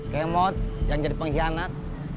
kemot yang jadi pengkhianat